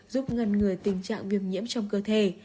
giúp ngăn ngừa tình trạng viêm nhiễm trong cơ thể